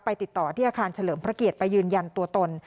ติดต่อที่อาคารเฉลิมพระเกียรติไปยืนยันตัวตน